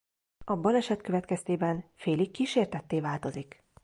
A baleset következtében félig kísértetté változik.